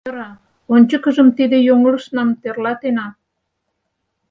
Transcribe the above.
Йӧра, ончыкыжым тиде йоҥылышнам тӧрлатена.